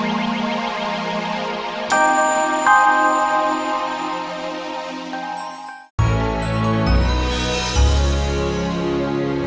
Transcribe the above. ibu sendiri itu